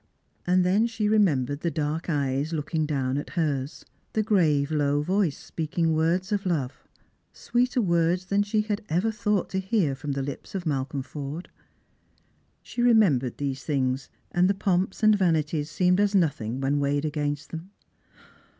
And then she remembered the dark eyes looking down at hers ; the grave low voice speaking words of love, sweeter words than she had ever thought to hear from the lips of Malcolm Forde. She remembered these things, and the pomps and vanities seemed as nothing when weighed against them.